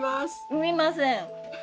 産みません。